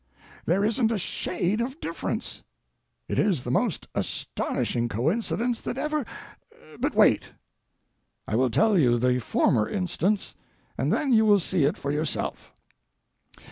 There isn't a shade of difference. It is the most astonishing coincidence that ever—but wait. I will tell you the former instance, and then you will see it for yourself.